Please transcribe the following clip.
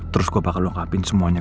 terus kok bakal lengkapin semuanya